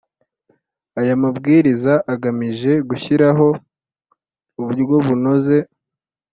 Aya mabwiriza agamije gushyiraho uburyo bunoze